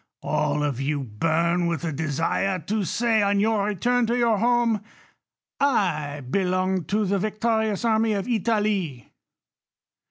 All of you burn with a desire to say on your return to your home, I belonged to the victorious army of Italy.